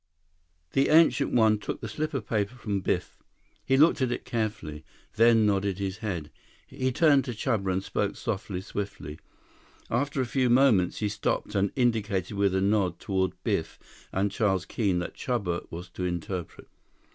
The Ancient One took the slip of paper from Biff. He looked at it carefully, then nodded his head. He turned to Chuba and spoke softly, swiftly. After a few moments, he stopped and indicated with a nod toward Biff and Charles Keene that Chuba was to interpret.